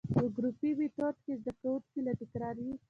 په ګروپي ميتود کي زده کوونکي له تکراري،